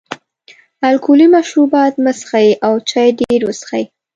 الکولي مشروبات مه څښئ او چای ډېر وڅښئ.